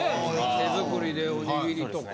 手作りでおにぎりとか。